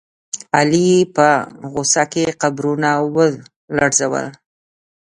علي په غوسه کې قبرونه ولړزول.